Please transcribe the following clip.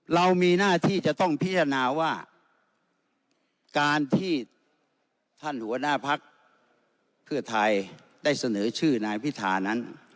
เรามีหน้าที่จะต้องพิจารณาว่าการที่ท่านหัวหน้าพักเพื่อไทยได้เสนอชื่อนายพิธานั้น